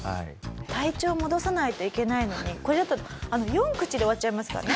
体調を戻さないといけないのにこれだと４口で終わっちゃいますからね。